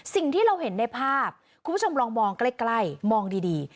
สิ่งที่เราเห็นในภาพคุณผู้ชมลองมองใกล้มองดี